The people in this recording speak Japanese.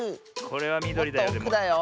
これはみどりだよ。